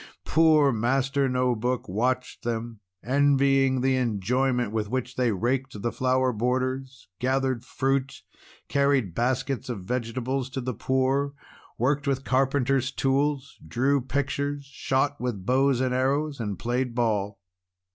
Poor Master No Book watched them, envying the enjoyment with which they raked the flower borders, gathered fruit, carried baskets of vegetables to the poor, worked with carpenters' tools, drew pictures, shot with bows and arrows, and played ball.